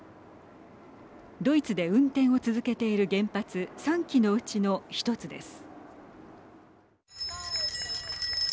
ドイツで運転を続けている原発３基のうちの１つです。